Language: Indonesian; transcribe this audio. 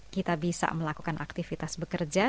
kita bisa melakukan aktivitas bekerja